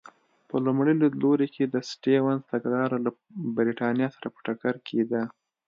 په لومړي لیدلوري کې د سټیونز تګلاره له برېټانیا سره په ټکر کې ده.